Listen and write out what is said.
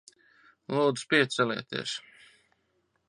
Lūdzu, piecelieties.